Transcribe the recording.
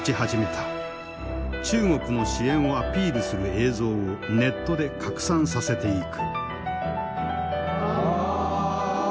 中国の支援をアピールする映像をネットで拡散させていく。